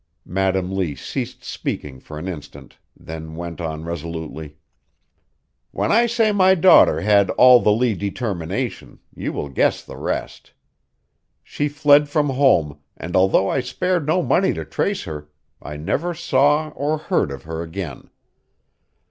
Madam Lee ceased speaking for an instant; then went on resolutely. "When I say my daughter had all the Lee determination, you will guess the rest. She fled from home and although I spared no money to trace her, I never saw or heard of her again.